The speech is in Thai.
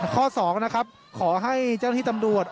ข้อ๒นะครับขอให้เจ้าหน้าที่ตำรวจ